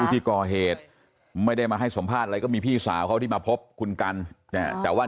ที่ก่อเหตุไม่ได้มาให้สัมภาษณ์อะไรก็มีพี่สาวเขาที่มาพบคุณกันแต่ว่า